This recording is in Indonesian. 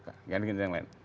ganti ganti yang lain